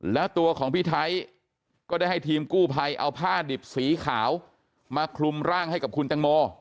แล้วตัวของพี่ไทยก็ได้ให้ทีมกู้ภัยเอาผ้าดิบสีขาวมาคลุมร่างให้กับคุณตังโม